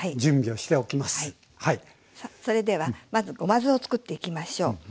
それではまずごま酢を作っていきましょう。